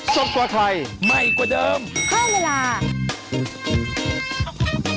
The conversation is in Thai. สวัสดีค่ะ